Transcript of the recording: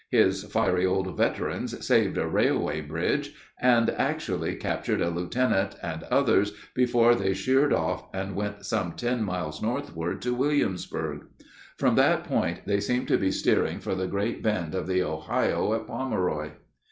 His fiery old veterans saved a railway bridge, and actually captured a lieutenant and others before they sheered off and went some ten miles northward to Williamsburg. From that point they seemed to be steering for the great bend of the Ohio at Pomeroy.